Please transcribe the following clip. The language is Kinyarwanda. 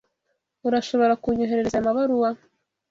Urashobora kunyoherereza aya mabaruwa?